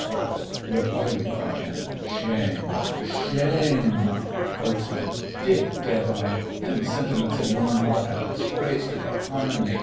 ALL (recoiling from him). Shame! shame! BOAT. Dick Deadeye, them sentiments o' yourn are a disgrace to our common natur'.